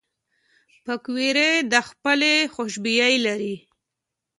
پکورې د پخلي خوشبویي لري